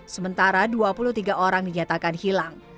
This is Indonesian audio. sementara dua puluh tiga orang dinyatakan hilang